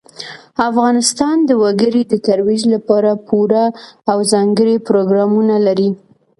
افغانستان د وګړي د ترویج لپاره پوره او ځانګړي پروګرامونه لري.